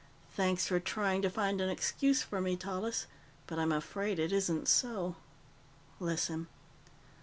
"Thanks for trying to find an excuse for me, Tallis, but I'm afraid it isn't so. Listen.